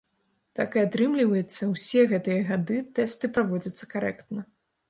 Так і атрымліваецца, усе гэтыя гады тэсты праводзяцца карэктна.